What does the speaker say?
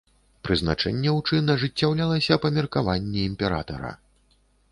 Прызначэнне ў чын ажыццяўлялася па меркаванні імператара.